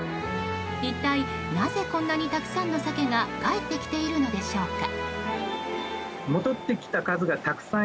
一体なぜこんなにたくさんのサケが帰ってきているのでしょうか。